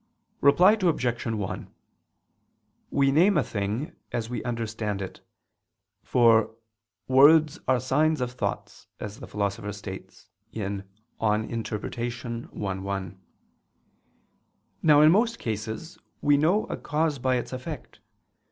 Reply Obj. 1: We name a thing as we understand it, for "words are signs of thoughts," as the Philosopher states (Peri Herm. i, 1). Now in most cases we know a cause by its effect.